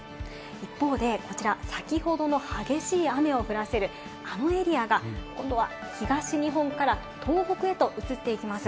一方で、こちら先ほどの激しい雨を降らせる雨エリアが今度は東日本から東北へと移っていきます。